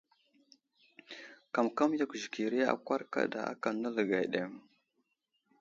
Kamkam yakw zəkiri akwar kaɗa aka nələgay aɗeŋ.